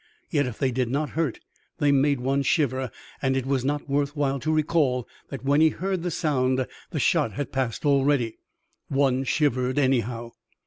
Yet if they did not hurt they made one shiver, and it was not worth while to recall that when he heard the sound the shot had passed already. One shivered anyhow.